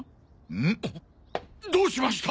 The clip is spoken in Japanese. ん？どうしました？